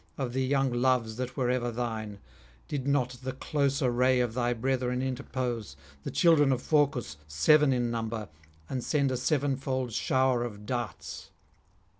of the young loves that were ever thine, did not the close array of thy brethren interpose, the children of Phorcus, seven in number, and send a sevenfold shower of darts.